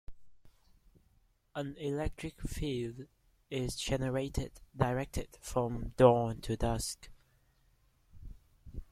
An electric field is generated, directed from dawn to dusk.